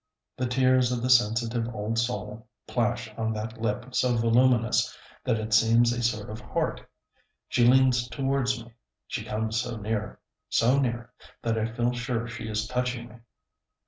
The tears of the sensitive old soul plash on that lip so voluminous that it seems a sort of heart. She leans towards me, she comes so near, so near, that I feel sure she is touching me.